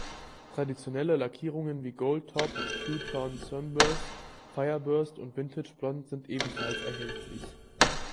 Traditionelle Lackierungen wie Gold-Top, Two-Tone-Sunburst, Fire-Burst und Vintage-Blonde sind ebenfalls erhältlich.